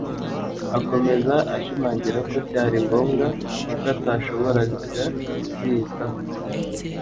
akomeza ashimangira ko cyari ngombwa kuko atashoboraga kwiyitaho